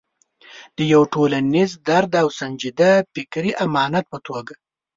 د یو ټولنیز درد او سنجیده فکري امانت په توګه.